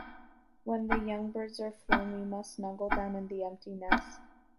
When the young birds are flown we must snuggle down in the empty nest.